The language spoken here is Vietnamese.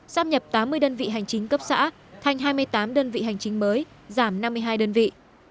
sắp nhập tám mươi đơn vị hành chính cấp xã thành hai mươi tám đơn vị hành chính mới giảm năm mươi hai đơn vị